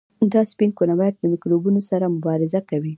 دا سپین کرویات له میکروبونو سره مبارزه کوي.